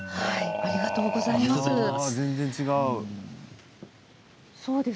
ありがとうございます。